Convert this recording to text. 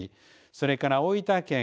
それから大分県